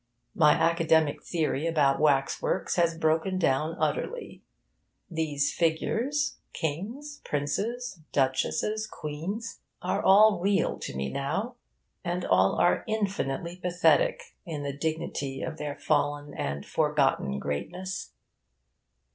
My academic theory about wax works has broken down utterly. These figures kings, princes, duchesses, queens all are real to me now, and all are infinitely pathetic, in the dignity of their fallen and forgotten greatness.